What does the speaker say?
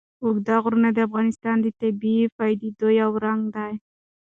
اوږده غرونه د افغانستان د طبیعي پدیدو یو رنګ دی.